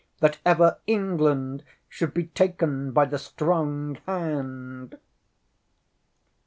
ŌĆ£That ever England should be taken by the strong hand!